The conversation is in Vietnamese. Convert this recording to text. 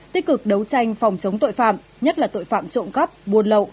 tích cực đấu tranh phòng chống tội phạm nhất là tội phạm trộm cắp buôn lậu